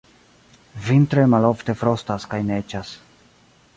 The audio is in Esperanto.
Vintre malofte frostas kaj neĝas.